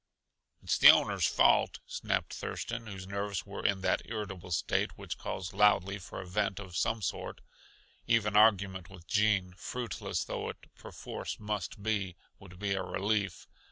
"It's the owners' fault," snapped Thurston, whose nerves were in that irritable state which calls loudly for a vent of some sort. Even argument with Gene, fruitless though it perforce must be, would be a relief.